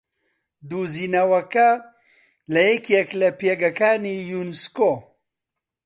دوزینەوەکە لە یەکێک لە پێگەکانی یوونسکۆ